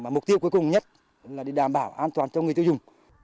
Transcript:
mục tiêu cuối cùng nhất là để đảm bảo an toàn cho người tiêu dùng